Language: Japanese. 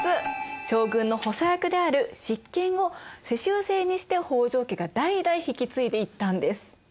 将軍の補佐役である執権を世襲制にして北条家が代々引き継いでいったんです。